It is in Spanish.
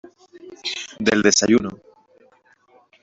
del desayuno .